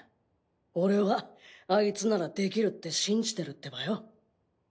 俺はあいつならできるって信じてるってばよ。